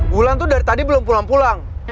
wulan tuh dari tadi belum pulang pulang